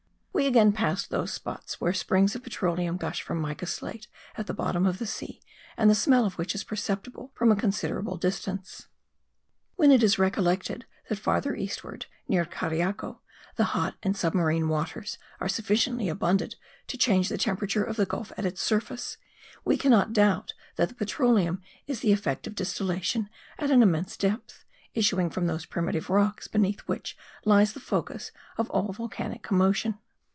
We again passed those spots where springs of petroleum gush from mica slate at the bottom of the sea and the smell of which is perceptible from a considerable distance. When it is recollected that farther eastward, near Cariaco, the hot and submarine waters are sufficiently abundant to change the temperature of the gulf at its surface, we cannot doubt that the petroleum is the effect of distillation at an immense depth, issuing from those primitive rocks beneath which lies the focus of all volcanic commotion.